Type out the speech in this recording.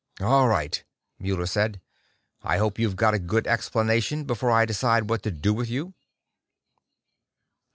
"All right," Muller said. "I hope you've got a good explanation, before I decide what to do with you."